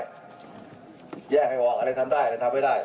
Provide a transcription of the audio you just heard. แยกให้ออกอะไรทำได้อะไรทำไม่ได้